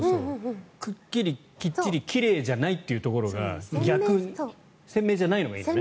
くっきりきっちり奇麗じゃないというところが逆に鮮明じゃないのがいいのね。